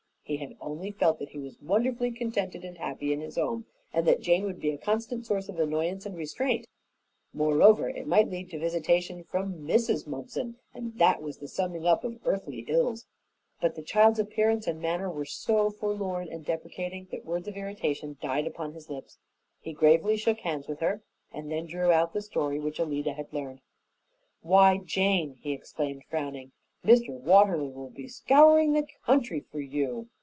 He had only felt that he was wonderfully contented and happy in his home, and that Jane would be a constant source of annoyance and restraint. Moreover, it might lead to visitation from Mrs. Mumpson, and that was the summing up of earthly ills. But the child's appearance and manner were so forlorn and deprecating that words of irritation died upon his lips. He gravely shook hands with her and then drew out the story which Alida had learned. "Why, Jane," he exclaimed, frowning, "Mr. Watterly will be scouring the country for you.